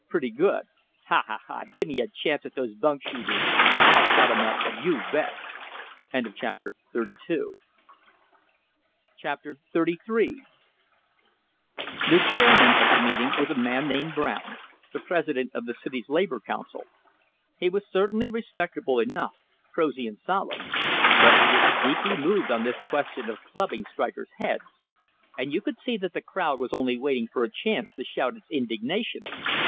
"Pretty good! Ha, ha, ha! Gimme a chance at these bunk shooters I'll shut 'em up, you bet!" XXXIII The chairman of the meeting was a man named Brown, the president of the city's labor council. He was certainly respectable enough, prosy and solemn. But he was deeply moved on this question of clubbing strikers' heads; and you could see that the crowd was only waiting for a chance to shout its indignation.